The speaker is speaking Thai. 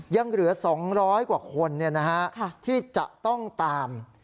ยังเหลือ๒๐๐กว่าคนที่จะต้องตาม